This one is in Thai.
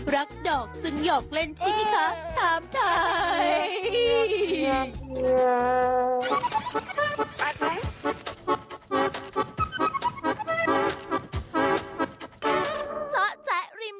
รักดอกซึ่งหยอกเล่นชิคกี้พีค่ะทำไทย